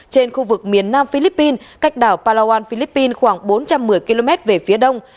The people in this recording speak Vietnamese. trên khu vực miền nam philippines cách đảo palawan philippines khoảng bốn trăm một mươi km về phía đông